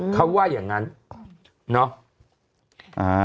เขาว่าอย่างนั้นเนาะ